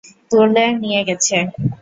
তুলে নিয়ে গেছে।